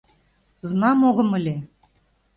Знам, огым ыле.